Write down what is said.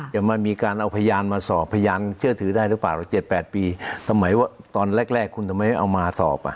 ให้มันมีการเอาเพราะ